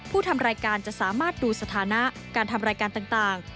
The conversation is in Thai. ทำรายการจะสามารถดูสถานะการทำรายการต่าง